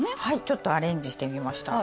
ちょっとアレンジしてみました。